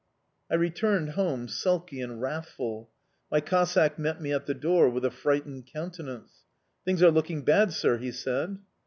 I returned home sulky and wrathful. My Cossack met me at the door with a frightened countenance. "Things are looking bad, sir!" he said.